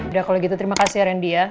udah kalau gitu terima kasih randy ya